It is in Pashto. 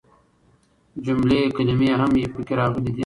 جملې ،کلمې هم پکې راغلي دي.